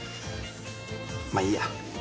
まあ、いいや。